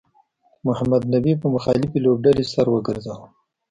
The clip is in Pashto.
محمد نبي په مخالفې لوبډلې سر وګرځاوه